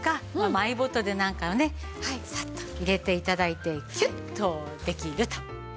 マイボトルなんかをねサッと入れて頂いてキュッとできると。